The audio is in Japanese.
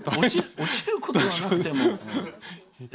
落ちることはなくても。